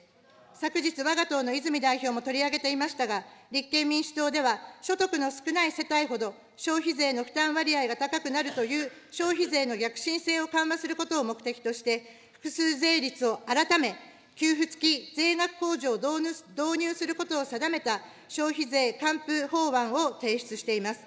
昨日、わが党の泉代表も取り上げていましたが、立憲民主党では、所得の少ない世帯ほど消費税の負担割合が高くなるという、消費税の逆進性を緩和することを目的として、複数税率を改め、給付付き税額控除を導入することを定めた消費税還付法案を提出しています。